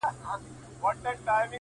د دوبي ټکنده غرمې د ژمي سوړ سهار مي!